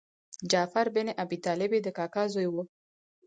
جعفر بن ابي طالب یې د کاکا زوی و.